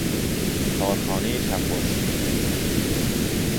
کارخانه کفاشی